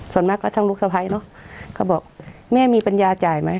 ส่วนมากก็ทั้งลูกสะพ้ายเนอะก็บอกแม่มีปัญญาจ่ายไหม